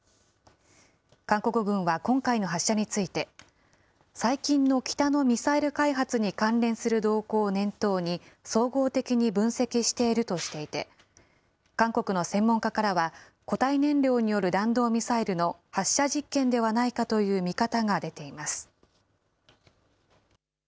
韓国軍は今回の発射について、最近の北のミサイル開発に関連する動向を念頭に、総合的に分析しているとしていて、韓国の専門家からは、固体燃料による弾道ミサイルの発射実験ではないかという見方が出ています。